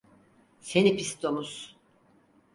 Seni pis domuz!